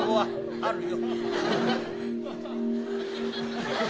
あるよ。